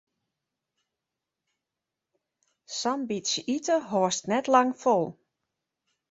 Sa'n bytsje ite hâldst net lang fol.